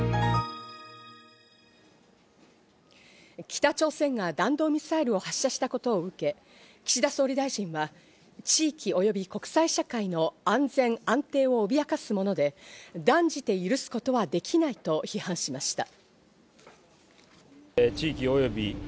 北朝鮮が弾道ミサイルを発射したことを受け、岸田総理大臣は地域及び国際社会の安全安定を脅かすもので、断じて許すことはできないと批判しました。